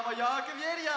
みえるよ！